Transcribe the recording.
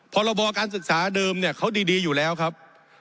พรบการศึกษาเดิมเนี่ยเขาดีอยู่แล้วครับ